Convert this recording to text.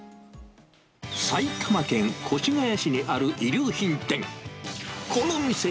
埼玉県越谷市にある衣料品店。